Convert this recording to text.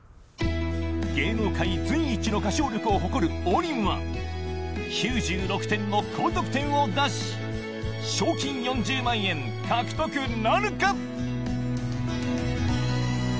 芸能界随一の歌唱力を誇る王林は９６点の高得点を出し賞金４０万円獲得なるか？